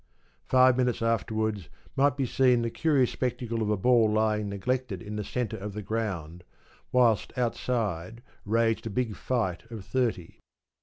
Five minutes afterwards might be seen the curious spectacle of a ball lying neglected in the centre of the ground, whilst outside raged a big fight of thirty.